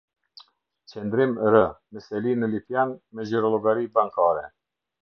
Qendrim R, me seli në Lipjan me xhirollogari bankare.